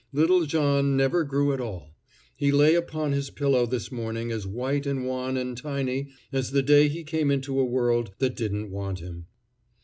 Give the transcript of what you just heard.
Little John never grew at all. He lay upon his pillow this morning as white and wan and tiny as the day he came into a world that didn't want him.